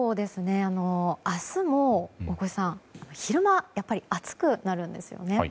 明日も昼間はやっぱり暑くなるんですよね。